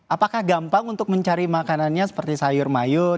apakah gampang untuk mencari makanannya seperti sayur mayur